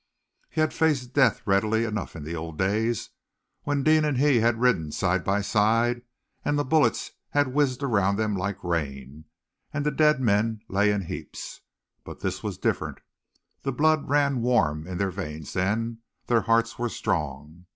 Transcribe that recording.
He had faced death readily enough in those old days, when Deane and he had ridden side by side, and the bullets had whizzed around them like rain, and the dead men lay in heaps. But this was different! The blood ran warm in their veins then, their hearts were strong.